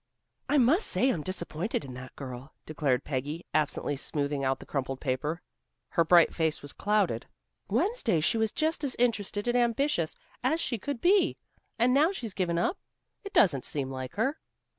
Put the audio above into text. "I must say I'm disappointed in that girl," declared Peggy, absently smoothing out the crumpled paper. Her bright face was clouded. "Wednesday she was just as interested and ambitious as she could be. And now she's given up. It doesn't seem like her."